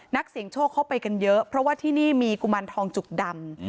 นักเสียงโชคเข้าไปกันเยอะเพราะว่าที่นี่มีกุมารทองจุกดำ